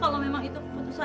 kalau memang itu keputusan